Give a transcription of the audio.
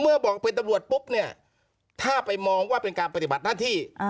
บอกเป็นตำรวจปุ๊บเนี่ยถ้าไปมองว่าเป็นการปฏิบัติหน้าที่